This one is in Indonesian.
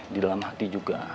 di dalam hati juga